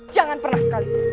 jangan pernah sekali